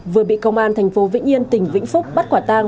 vừa bị công an thành phố vĩnh yên tỉnh vĩnh phúc bắt quả tang